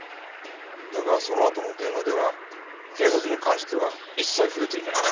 だがそのあとの電話では警察に関しては一切触れていない。